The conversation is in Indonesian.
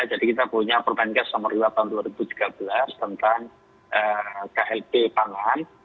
jadi kita punya perbankan nomor dua tahun dua ribu tiga belas tentang klb pangan